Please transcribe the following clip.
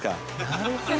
なるほど。